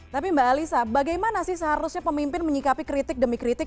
tapi mbak alisa bagaimana sih seharusnya pemimpin menyikapi kritik demi kritik